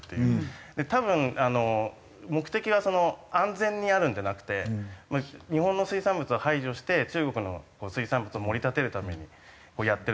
多分目的は安全にあるんじゃなくて日本の水産物を排除して中国の水産物を盛り立てるためにやってると思うんですけど。